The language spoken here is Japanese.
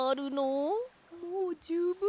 もうじゅうぶんです。